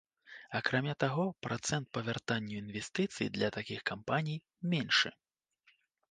Акрамя таго, працэнт па вяртанню інвестыцый для такіх кампаній меншы.